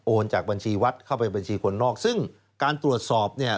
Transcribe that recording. จากบัญชีวัดเข้าไปบัญชีคนนอกซึ่งการตรวจสอบเนี่ย